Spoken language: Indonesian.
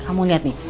kamu lihat nih